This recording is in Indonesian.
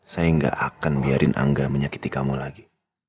saya gak akan biarin angga menyakiti kamu lagi